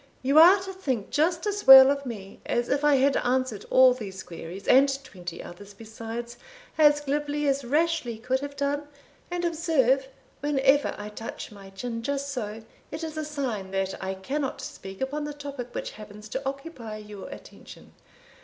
You are to think just as well of me as if I had answered all these queries, and twenty others besides, as glibly as Rashleigh could have done; and observe, whenever I touch my chin just so, it is a sign that I cannot speak upon the topic which happens to occupy your attention.